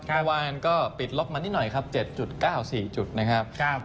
เมื่อกว่างก็ปิดล็อกมันนิดหน่อยครับ๗๙สี่จุดนะครับ